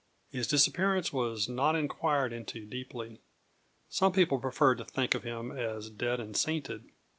His disappearance was not inquired into deeply. Some people preferred to think of him as dead and sainted.